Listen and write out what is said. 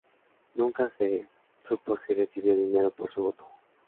Nunca se supo si recibió dinero por su voto.